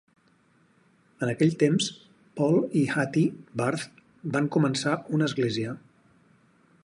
En aquell temps, Paul i Hattie Barth van començar una església.